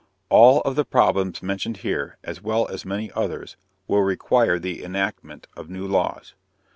All of the problems mentioned here, as well as many others, will require the enactment of new laws.